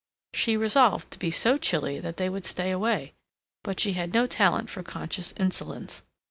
She resolved to be so chilly that they would stay away. But she had no talent for conscious insolence.